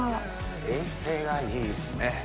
冷製がいいですね。